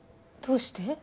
どうして？